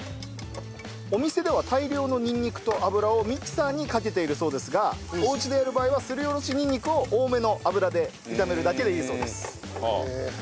お店では大量のにんにくと油をミキサーにかけているそうですがおうちでやる場合はすりおろしにんにくを多めの油で炒めるだけでいいそうです。